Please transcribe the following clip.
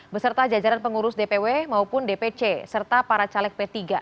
beserta jajaran pengurus dpw maupun dpc serta para caleg p tiga